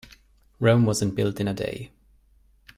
Rome wasn't built in a day.